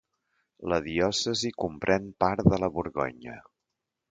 La diòcesi comprèn part de la Borgonya.